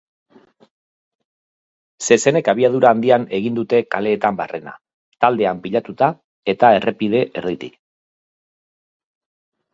Zezenek abiadura handian egin dute kaleetan barrena, taldean pilatuta eta errepide erditik.